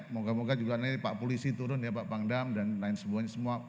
moga moga juga nanti pak polisi turun ya pak pangdam dan lain semuanya semua